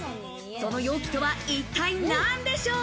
その容器とは、一体なんでしょう？